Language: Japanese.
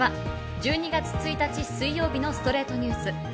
１２月１日、水曜日の『ストレイトニュース』。